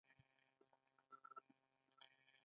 د یورانیم تولید کې مخکښ دی.